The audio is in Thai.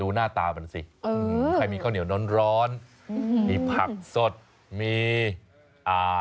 หน้าตามันสิอืมใครมีข้าวเหนียวร้อนร้อนอืมมีผักสดมีอ่า